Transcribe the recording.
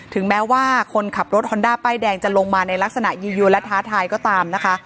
ถึงแม้ว่าคนขับรถฮอนด้าป้ายแดงจะลงมาในลักษณะยียวนและท้าทายก็ตามนะคะ